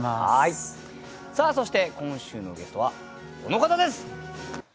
さあそして今週のゲストはこの方です！